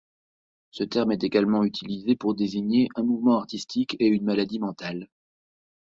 Ce terme est également utilisé pour désigner un mouvement artistique et une maladie mentale.